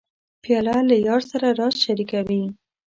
پیاله له یار سره راز شریکوي.